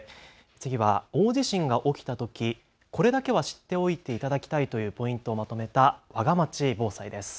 次は大地震が起きたときこれだけは知っておいていただきたいというポイントをまとめた、わがまち防災です。